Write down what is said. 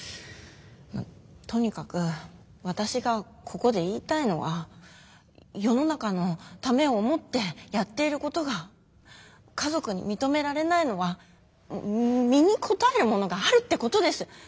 とにかく私がここで言いたいのは世の中のためを思ってやっていることが家族に認められないのは身にこたえるものがあるってことです！